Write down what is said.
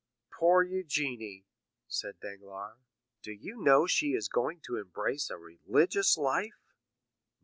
"Poor Eugénie!" said Danglars; "do you know she is going to embrace a religious life?"